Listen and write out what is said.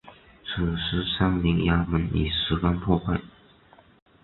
此时三陵衙门已十分破败。